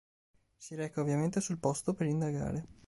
Si reca ovviamente sul posto per indagare.